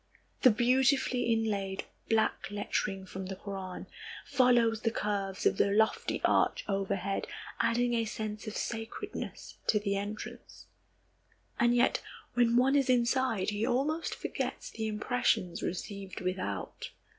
The beautifully inlaid black lettering from the Koran follows the curves of the lofty arch overhead, adding a sense of sacredness to the entrance. And yet, when one is inside, he almost forgets the impressions received without.